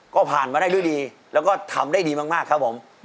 ก็ผ่านมาได้ด้วยดีแล้วก็ทำได้ดีมากครับผม